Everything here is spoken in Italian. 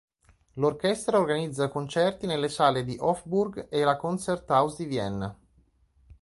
L'orchestra organizza concerti nelle sale di Hofburg e la Konzerthaus di Vienna.